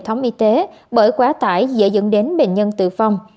hệ thống y tế bởi quá tải dễ dẫn đến bệnh nhân tử vong